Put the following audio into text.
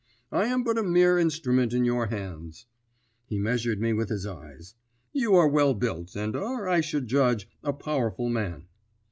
I am but a mere instrument in your hands." He measured me with his eyes. "You are well built, and are, I should judge, a powerful man."